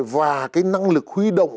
và cái năng lực huy động